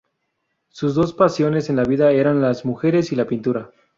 Sus dos pasiones en la vida eran las mujeres y la pintura.